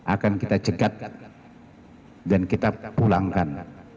akan kita cegat dan kita pulangkan